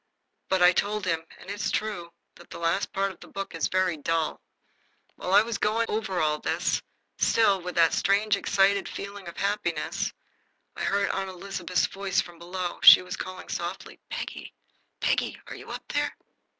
But I told him, and it is true, that the last part of the book is very dull. While I was going over all this, still with that strange excited feeling of happiness, I heard Aunt Elizabeth's voice from below. She was calling, softly: "Peggy! Peggy! Are you up there?"